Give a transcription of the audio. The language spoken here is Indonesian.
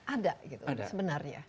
ada gitu sebenarnya